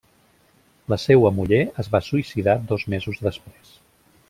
La seua muller es va suïcidar dos mesos després.